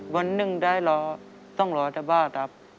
วันหนึ่งได้รอต้องรอจะบ้าครับ